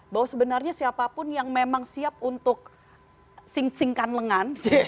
bahwa sebenarnya siapapun yang memang siap untuk singkan lengan